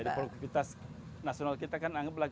jadi produktivitas nasional kita kan anggaplah